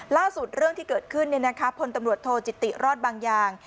ล่าสุดเรื่องที่เกิดขึ้นเนี่ยนะคะพลตำรวจโทรจิติรอดบางอย่าง